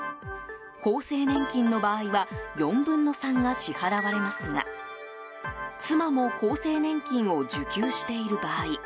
厚生年金の場合は４分の３が支払われますが妻も厚生年金を受給している場合